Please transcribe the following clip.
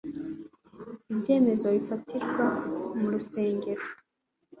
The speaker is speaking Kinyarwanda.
ibyemezo bifatirwa mu rusengero